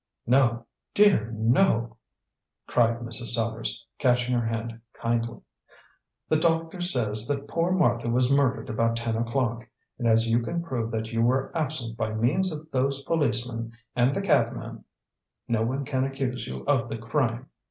"No, dear, no," cried Mrs. Sellars, catching her hand kindly. "The doctor says that poor Martha was murdered about ten o'clock, and as you can prove that you were absent by means of those policemen and the cabman, no one can accuse you of the crime.